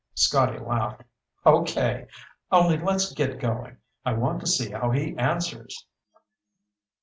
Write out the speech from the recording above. '" Scotty laughed. "Okay. Only let's get going. I want to see how he answers!"